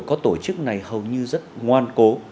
có tổ chức này hầu như rất ngoan cố